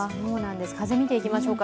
風を見ていきましょうか。